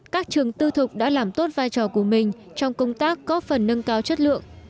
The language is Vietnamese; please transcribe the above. các trường tư thục đã làm tốt vai trò của mình trong công tác có phần nâng cao chất lượng